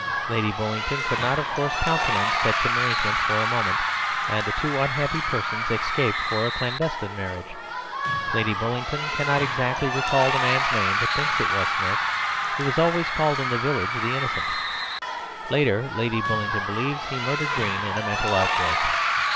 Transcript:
Lady Bullingdon could not, of course, countenance such an arrangement for a moment, and the two unhappy persons escaped for a clandestine marriage. Lady Bullingdon cannot exactly recall the man's name, but thinks it was Smith. He was always called in the village the Innocent. Later, Lady Bullingdon believes he murdered Green in a mental outbreak."